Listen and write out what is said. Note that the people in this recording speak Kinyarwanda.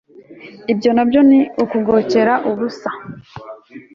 ibyo na byo ni ukugokera ubusa